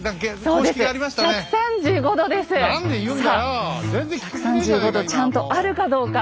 さあ１３５度ちゃんとあるかどうか。